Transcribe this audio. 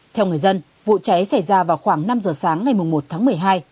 theo người dân vụ cháy xảy ra vào khoảng năm giờ sáng ngày một tháng một mươi hai